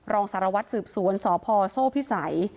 รองสารวัตรสืบสวนสพโซ่พิสัย